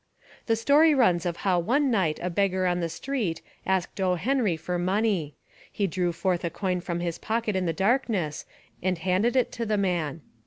The story runs of how one night a beggar on the street asked O. Henry for money. He drew forth a coin from his pocket in the darkness and handed It to the man.